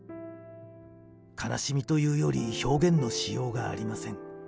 悲しみというより表現のしようがありません。